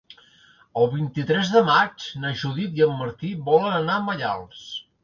El vint-i-tres de maig na Judit i en Martí volen anar a Maials.